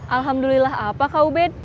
alhamdulillah apa kak ubed